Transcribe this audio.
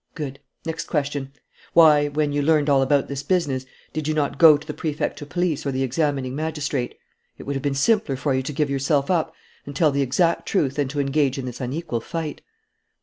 "Good. Next question. Why, when you learned all about this business, did you not go to the Prefect of Police or the examining magistrate? It would have been simpler for you to give yourself up and tell the exact truth than to engage in this unequal fight."